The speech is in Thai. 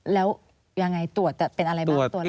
แล้วยังไงตรวจเป็นอะไรบ้าง